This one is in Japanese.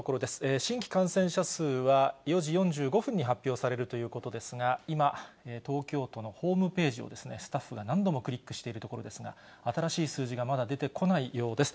新規感染者数は４時４５分に発表されるということですが、今、東京都のホームページをスタッフが何度もクリックしているところですが、新しい数字がまだ出てこないようです。